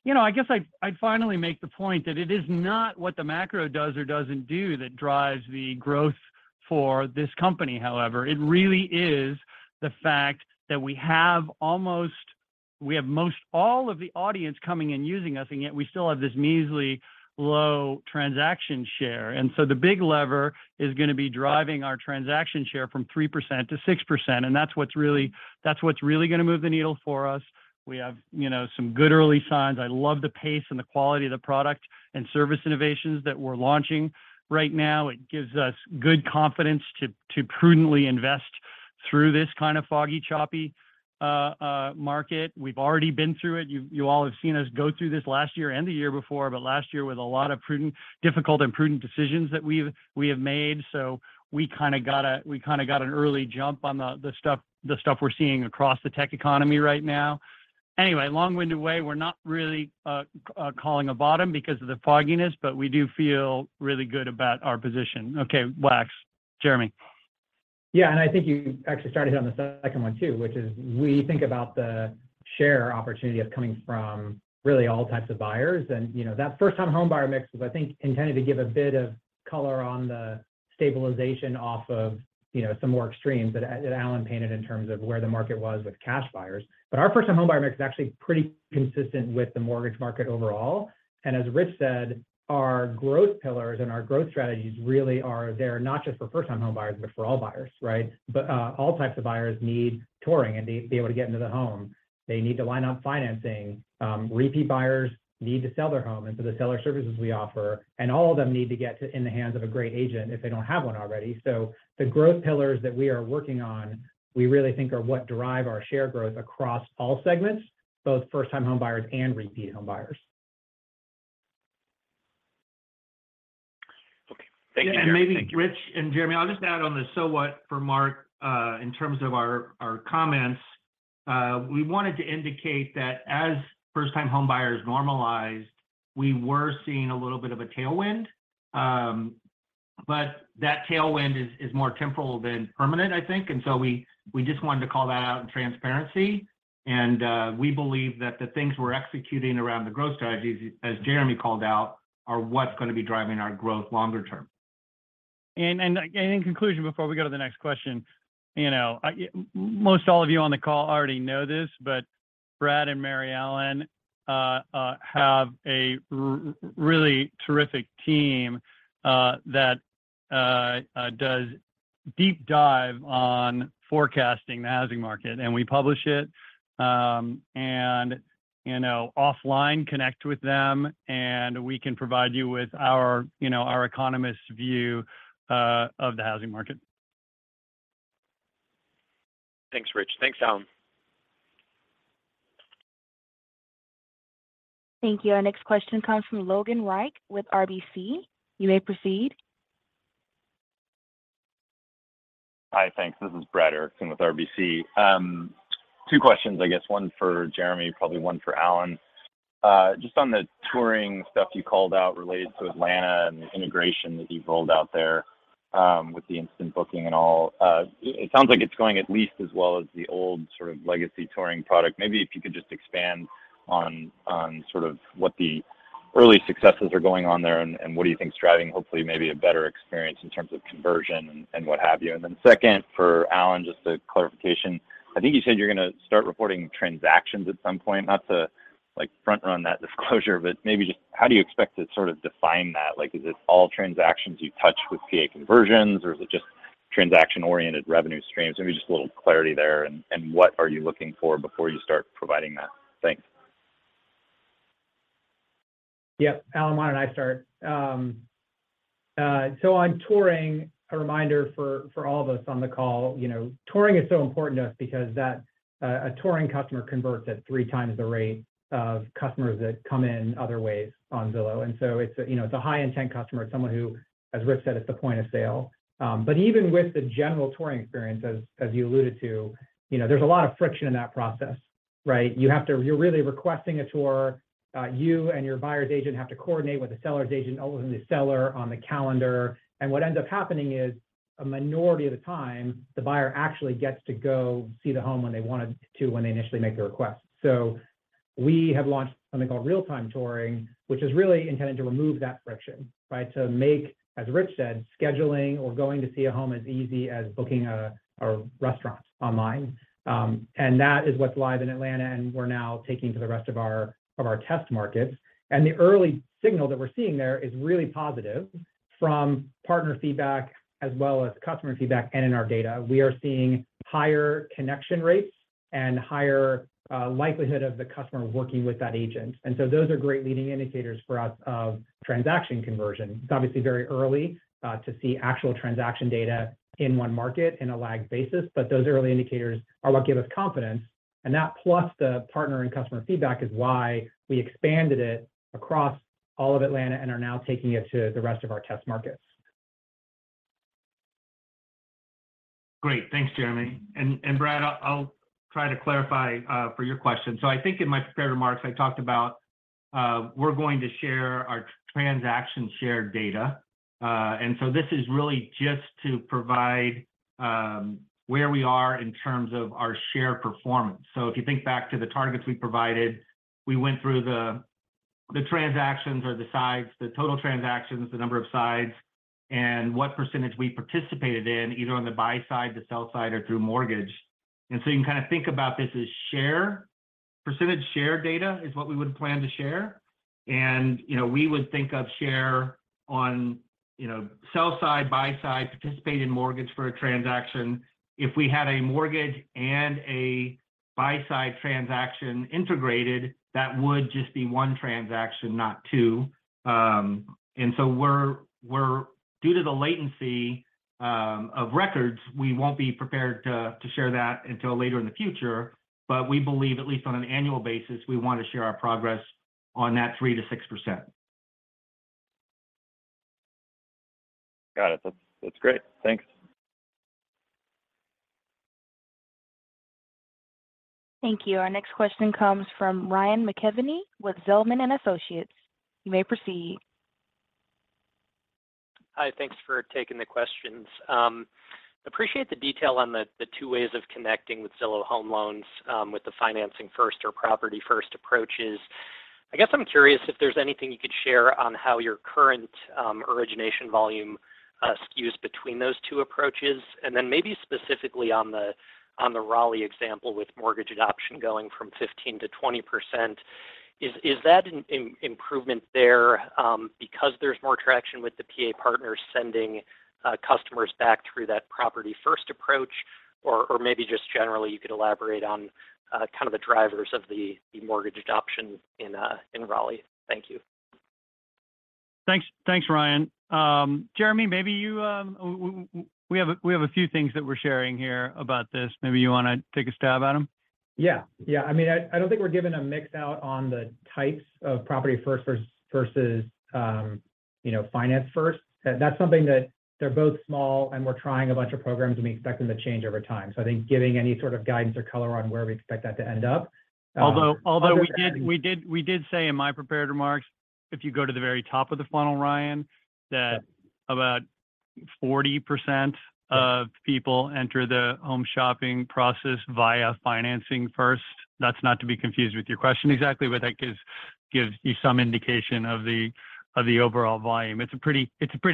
You know, I guess I'd finally make the point that it is not what the macro does or doesn't do that drives the growth for this company, however. It really is the fact that we have almost... we have most all of the audience coming and using us, and yet we still have this measly low transaction share. The big lever is gonna be driving our transaction share from 3%-6%, and that's what's really gonna move the needle for us. We have, you know, some good early signs. I love the pace and the quality of the product and service innovations that we're launching right now. It gives us good confidence to prudently invest through this kind of foggy, choppy market. We've already been through it. You all have seen us go through this last year and the year before, but last year with a lot of prudent, difficult and prudent decisions that we have made. We kinda got an early jump on the stuff we're seeing across the tech economy right now. Long-winded way, we're not really calling a bottom because of the fogginess, but we do feel really good about our position. Okay, Wacksman, Jeremy. Yeah, I think you actually started on the second one too, which is we think about the share opportunity as coming from really all types of buyers. You know, that first-time homebuyer mix was, I think, intended to give a bit of color on the stabilization off of, you know, some more extremes that Allen painted in terms of where the market was with cash buyers. Our first-time homebuyer mix is actually pretty consistent with the mortgage market overall. As Rich said, our growth pillars and our growth strategies really are there not just for first-time homebuyers, but for all buyers, right? All types of buyers need touring and to be able to get into the home. They need to line up financing. Repeat buyers need to sell their home, and so the seller services we offer, and all of them need to get to in the hands of a great agent if they don't have one already. The growth pillars that we are working on, we really think are what derive our share growth across all segments, both first-time homebuyers and repeat homebuyers. Okay. Thank you, Jeremy. Maybe Rich and Jeremy, I'll just add on the so what for Mark, in terms of our comments. We wanted to indicate that as first-time homebuyers normalized, we were seeing a little bit of a tailwind. That tailwind is more temporal than permanent, I think. We just wanted to call that out in transparency. We believe that the things we're executing around the growth strategies, as Jeremy called out, are what's gonna be driving our growth longer term. In conclusion, before we go to the next question, you know, most all of you on the call already know this, but Brad and Mary Ellen have a really terrific team that does deep dive on forecasting the housing market, and we publish it. You know, offline connect with them, and we can provide you with our, you know, our economist's view of the housing market. Thanks, Rich. Thanks, Allen. Thank you. Our next question comes from Brad Erickson with RBC. You may proceed. Hi. Thanks. This is Brad Erickson with RBC. Two questions, I guess, 1 for Jeremy, probably 1 for Allen. Just on the touring stuff you called out related to Atlanta and the integration that you've rolled out there, with the instant booking and all. It sounds like it's going at least as well as the old sort of legacy touring product. Maybe if you could just expand on sort of what the early successes are going on there and what do you think is driving hopefully maybe a better experience in terms of conversion and what have you. Second, for Allen, just a clarification. I think you said you're gonna start reporting transactions at some point, not to like front on that disclosure, but maybe just how do you expect to sort of define that? Like, is it all transactions you touch with PA conversions, or is it just transaction-oriented revenue streams? Maybe just a little clarity there and what are you looking for before you start providing that? Thanks. Yep. Allen, why don't I start? On touring, a reminder for all of us on the call, you know, touring is so important to us because a touring customer converts at 3x the rate of customers that come in other ways on Zillow. So it's a, you know, it's a high-intent customer. It's someone who, as Rich said, it's the point of sale. Even with the general touring experience, as you alluded to, you know, there's a lot of friction in that process, right? You're really requesting a tour. You and your buyer's agent have to coordinate with the seller's agent, ultimately the seller on the calendar. What ends up happening is a minority of the time the buyer actually gets to go see the home when they wanted to, when they initially make the request. We have launched something called Real-Time Touring, which is really intended to remove that friction, right? To make, as Rich said, scheduling or going to see a home as easy as booking a restaurant online. That is what's live in Atlanta, and we're now taking to the rest of our test markets. The early signal that we're seeing there is really positive from partner feedback as well as customer feedback, and in our data. We are seeing higher connection rates and higher likelihood of the customer working with that agent. Those are great leading indicators for us of transaction conversion. It's obviously very early, to see actual transaction data in one market in a lagged basis, but those early indicators are what give us confidence. That plus the partner and customer feedback is why we expanded it across all of Atlanta and are now taking it to the rest of our test markets. Great. Thanks, Jeremy. Brad, I'll try to clarify for your question. I think in my prepared remarks I talked about we're going to share our transaction share data. This is really just to provide where we are in terms of our share performance. If you think back to the targets we provided, we went through the transactions or the sides, the total transactions, the number of sides, and what percentage we participated in, either on the buy side, the sell side, or through mortgage. You can kind of think about this as share. Percentage share data is what we would plan to share. You know, we would think of share on, you know, sell side, buy side, participate in mortgage for a transaction. If we had a mortgage and a buy-side transaction integrated, that would just be 1 transaction, not 2. We're due to the latency of records, we won't be prepared to share that until later in the future. We believe at least on an annual basis, we want to share our progress on that 3%-6%. Got it. That's great. Thanks. Thank you. Our next question comes from Ryan McKeveny with Zelman & Associates. You may proceed. Hi. Thanks for taking the questions. appreciate the detail on the two ways of connecting with Zillow Home Loans, with the financing-first or property-first approaches. I guess I'm curious if there's anything you could share on how your current origination volume skews between those two approaches, and then maybe specifically on the Raleigh example with mortgage adoption going from 15%-20%. Is that an improvement there, because there's more traction with the PA partners sending customers back through that property-first approach? Maybe just generally you could elaborate on kind of the drivers of the mortgage adoption in Raleigh. Thank you. Thanks. Thanks, Ryan. Jeremy, maybe you. We have a few things that we're sharing here about this. Maybe you wanna take a stab at them? Yeah. Yeah. I mean, I don't think we're giving a mix out on the types of property first versus, you know, finance first. That's something that they're both small. We're trying a bunch of programs. We expect them to change over time. I think giving any sort of guidance or color on where we expect that to end up. Although we did say in my prepared remarks, if you go to the very top of the funnel, Ryan, that about 40% of people enter the home shopping process via financing first. That's not to be confused with your question exactly, that gives you some indication of the overall volume. It's a pretty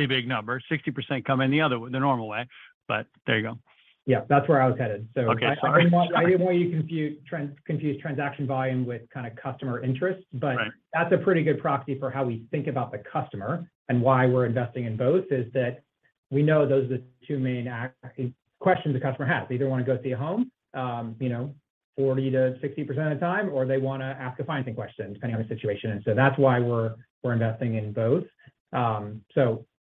big number. 60% come in the other, the normal way, there you go. Yeah. That's where I was headed. Okay. Sorry. I didn't want you to confuse transaction volume with kind of customer interest. Right. That's a pretty good proxy for how we think about the customer and why we're investing in both, is that we know those are the two main questions the customer has. They either wanna go see a home, you know, 40%-60% of the time, or they wanna ask a financing question, depending on the situation. That's why we're investing in both.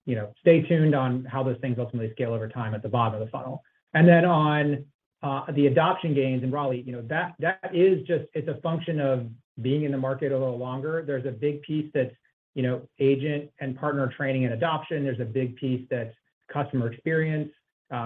You know, stay tuned on how those things ultimately scale over time at the bottom of the funnel. On the adoption gains in Raleigh, you know, that is just a function of being in the market a little longer. There's a big piece that's, you know, agent and partner training and adoption. There's a big piece that's customer experience.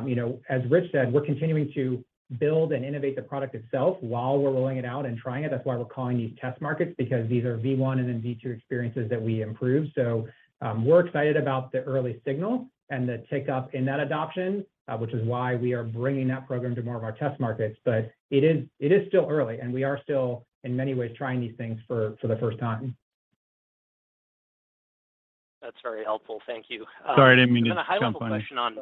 You know, as Rich said, we're continuing to build and innovate the product itself while we're rolling it out and trying it. That's why we're calling these test markets, because these are V1 and then V2 experiences that we improve. We're excited about the early signal and the take-up in that adoption, which is why we are bringing that program to more of our test markets. It is still early, and we are still in many ways trying these things for the first time. That's very helpful. Thank you. Sorry, I didn't mean to jump on you.... then a high-level question on...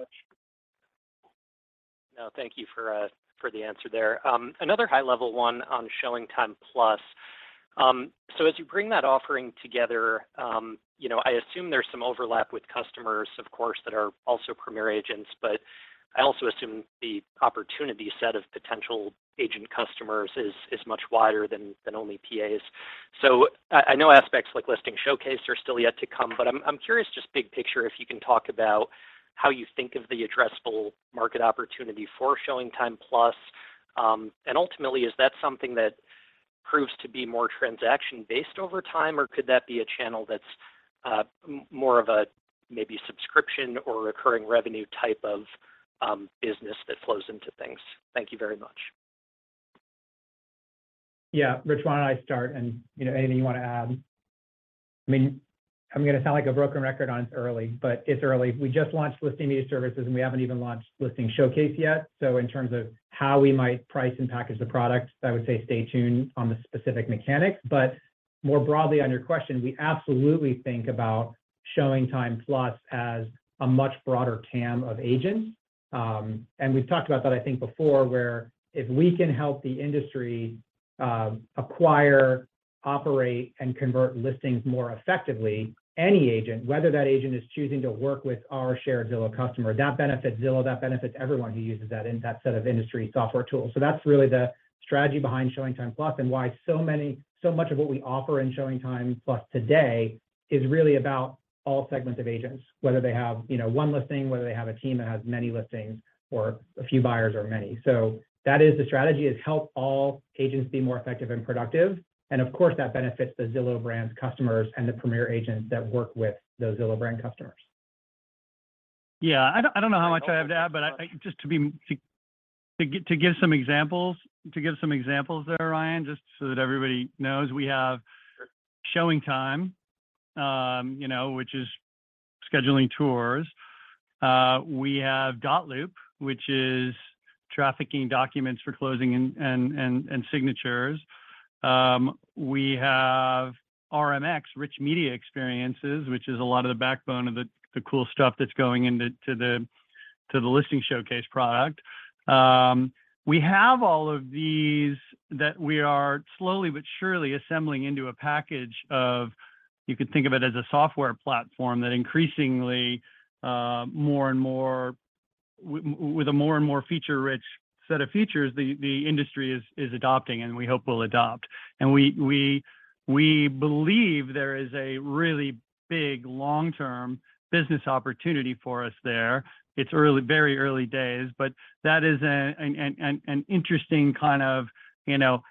No, thank you for for the answer there. Another high level one on ShowingTime+. As you bring that offering together, you know, I assume there's some overlap with customers, of course, that are also Premier Agents, but I also assume the opportunity set of potential agent customers is much wider than only PAs. I know aspects like Listing Showcase are still yet to come, but I'm curious, just big picture, if you can talk about how you think of the addressable market opportunity for ShowingTime+, and ultimately is that something that proves to be more transaction-based over time, or could that be a channel that's more of a maybe subscription or recurring revenue type of business that flows into things? Thank you very much. Yeah. Rich, why don't I start, you know, anything you wanna add. I mean, I'm gonna sound like a broken record on it's early, it's early. We just launched Listing Media Services, we haven't even launched Listing Showcase yet. In terms of how we might price and package the product, I would say stay tuned on the specific mechanics. More broadly on your question, we absolutely think about ShowingTime+ as a much broader TAM of agents. We've talked about that, I think, before, where if we can help the industry acquire, operate, and convert listings more effectively, any agent, whether that agent is choosing to work with our shared Zillow customer, that benefits Zillow, that benefits everyone who uses that set of industry software tools. That's really the strategy behind ShowingTime+ and why so much of what we offer in ShowingTime+ today is really about all segments of agents, whether they have, you know, one listing, whether they have a team that has many listings or a few buyers or many. That is the strategy is help all agents be more effective and productive, and of course, that benefits the Zillow brands customers and the Premier Agents that work with those Zillow brand customers. Yeah. I don't, I don't know how much I have to add, but I, just to give some examples, to give some examples there, Ryan, just so that everybody knows, we have ShowingTime, you know, which is scheduling tours. We have dotloop, which is trafficking documents for closing and signatures. We have RMX, Rich Media Experiences, which is a lot of the backbone of the cool stuff that's going into the Listing Showcase product. We have all of these that we are slowly but surely assembling into a package of, you could think of it as a software platform that increasingly, with a more and more feature-rich set of features the industry is adopting and we hope will adopt. We believe there is a really big long-term business opportunity for us there. It's early, very early days, but that is an interesting kind of, you know,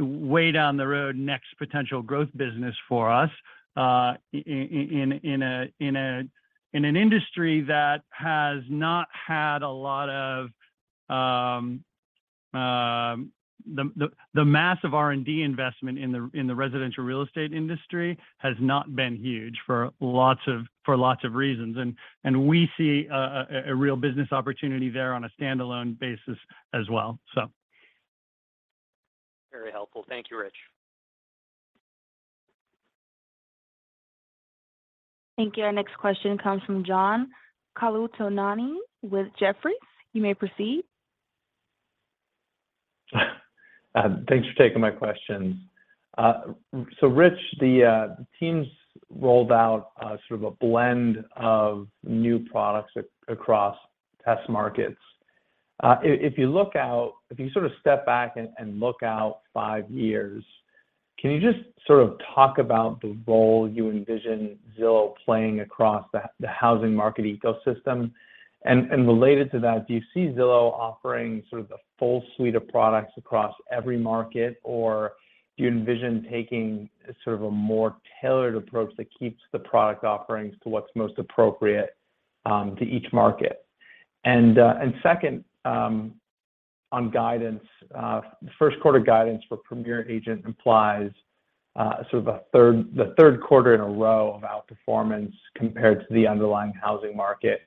way down the road, next potential growth business for us in an industry that has not had a lot of. The massive R&D investment in the residential real estate industry has not been huge for lots of reasons. We see a real business opportunity there on a standalone basis as well. Very helpful. Thank you, Rich. Thank you. Our next question comes from John Colantuoni with Jefferies. You may proceed. Thanks for taking my questions. Rich, the teams rolled out sort of a blend of new products across test markets. If you sort of step back and look out five years, can you just sort of talk about the role you envision Zillow playing across the housing market ecosystem? Related to that, do you see Zillow offering sort of the full suite of products across every market, or do you envision taking sort of a more tailored approach that keeps the product offerings to what's most appropriate to each market? Second, on guidance, first quarter guidance for Premier Agent implies sort of the third quarter in a row of outperformance compared to the underlying housing market.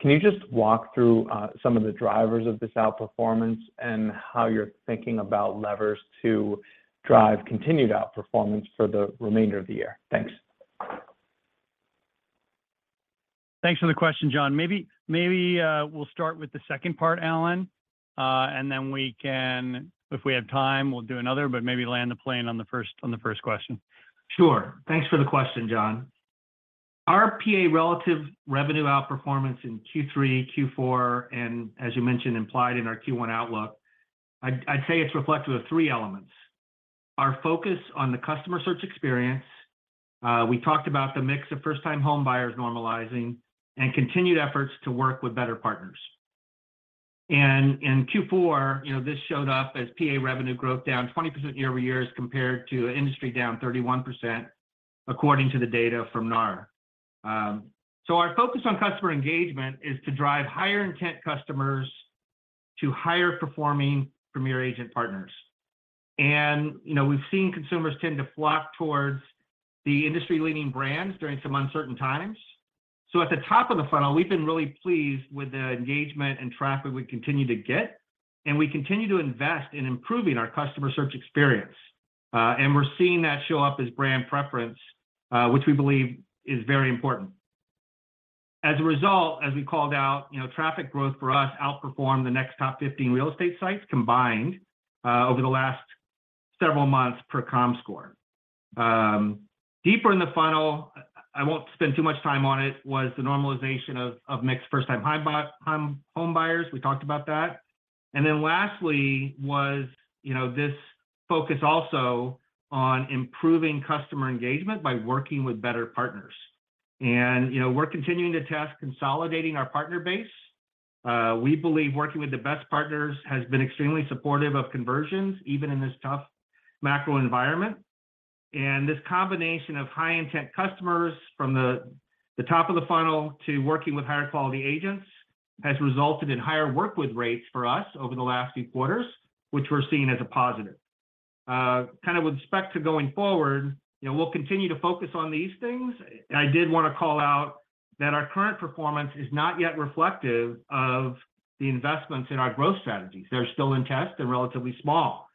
Can you just walk through some of the drivers of this outperformance and how you're thinking about levers to drive continued outperformance for the remainder of the year? Thanks. Thanks for the question, John. Maybe we'll start with the second part, Allen, and then we can, if we have time, we'll do another, but maybe land the plane on the first question. Sure. Thanks for the question, John. Our PA relative revenue outperformance in Q3, Q4, and as you mentioned, implied in our Q1 outlook, I'd say it's reflective of three elements: our focus on the customer search experience, we talked about the mix of first-time home buyers normalizing, and continued efforts to work with better partners. In Q4, you know, this showed up as PA revenue growth down 20% year-over-year as compared to industry down 31%, according to the data from NAR. Our focus on customer engagement is to drive higher intent customers to higher performing Premier Agent partners. You know, we've seen consumers tend to flock towards the industry-leading brands during some uncertain times. At the top of the funnel, we've been really pleased with the engagement and traffic we continue to get We continue to invest in improving our customer search experience. We're seeing that show up as brand preference, which we believe is very important. As a result, as we called out, you know, traffic growth for us outperformed the next top 15 real estate sites combined over the last several months per Comscore. Deeper in the funnel, I won't spend too much time on it, was the normalization of mixed first-time homebuyers. We talked about that. Lastly was, you know, this focus also on improving customer engagement by working with better partners. We believe working with the best partners has been extremely supportive of conversions, even in this tough macro environment. This combination of high-intent customers from the top of the funnel to working with higher quality agents has resulted in higher work with rates for us over the last few quarters, which we're seeing as a positive. Kind of with respect to going forward, you know, we'll continue to focus on these things. I did wanna call out that our current performance is not yet reflective of the investments in our growth strategies. They're still in test and relatively small.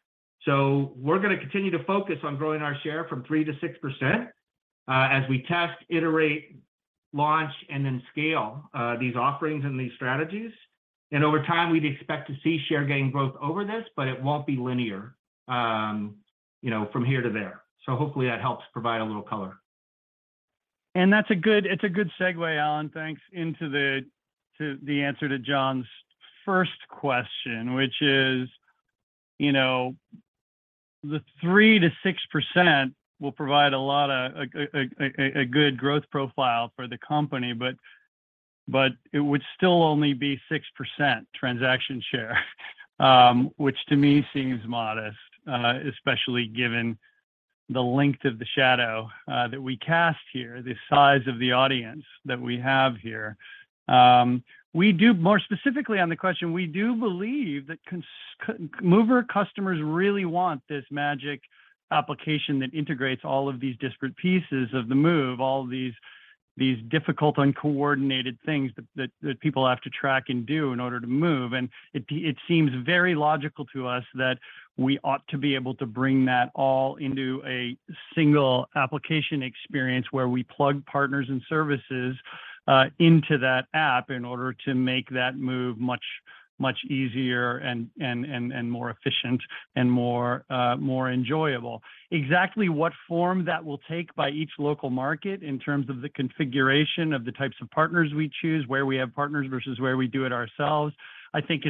We're gonna continue to focus on growing our share from 3% to 6% as we test, iterate, launch, and then scale these offerings and these strategies. Over time, we'd expect to see share gain growth over this, but it won't be linear, you know, from here to there. Hopefully that helps provide a little color. It's a good segue, Allen, thanks, into the, to the answer to John's first question, which is, you know, the 3%-6% will provide a lot of a good growth profile for the company, but it would still only be 6% transaction share, which to me seems modest, especially given the length of the shadow that we cast here, the size of the audience that we have here. More specifically on the question, we do believe that mover customers really want this magic application that integrates all of these disparate pieces of the move, all these difficult, uncoordinated things that people have to track and do in order to move. It seems very logical to us that we ought to be able to bring that all into a single application experience where we plug partners and services into that app in order to make that move much, much easier and more efficient and more enjoyable. Exactly what form that will take by each local market in terms of the configuration of the types of partners we choose, where we have partners versus where we do it ourselves, I think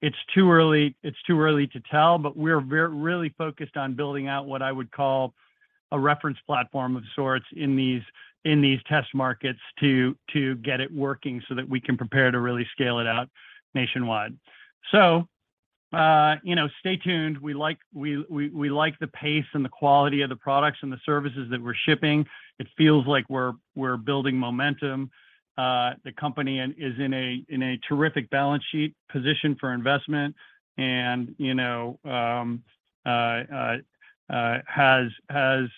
it's too early, it's too early to tell. We're really focused on building out what I would call a reference platform of sorts in these, in these test markets to get it working so that we can prepare to really scale it out nationwide. You know, stay tuned. We like the pace and the quality of the products and the services that we're shipping. It feels like we're building momentum. The company is in a terrific balance sheet position for investment and, you know, has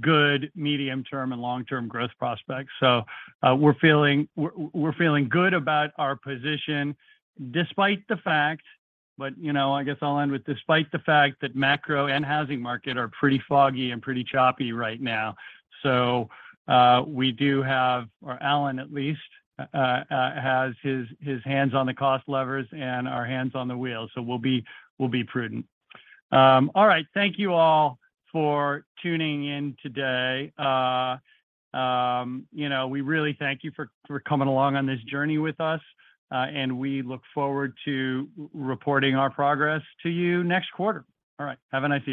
good medium-term and long-term growth prospects. We're feeling good about our position despite the fact, you know, I guess I'll end with despite the fact that macro and housing market are pretty foggy and pretty choppy right now. We do have, or Allen at least, has his hands on the cost levers and our hands on the wheel. We'll be prudent. All right. Thank you all for tuning in today. you know, we really thank you for coming along on thisjourney with us, and we look forward to reporting our progress to you next quarter. All right. Have a nice day.